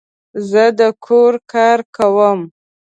زه د کور کار کوم